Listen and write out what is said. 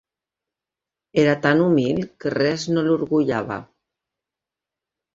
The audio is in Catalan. Era tan humil, que res no l'orgullava.